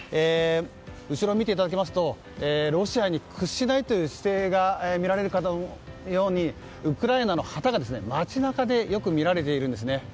後ろを見ていただきますとロシアに屈しないという姿勢が見られるかのようにウクライナの旗が街中でよく見られているんです。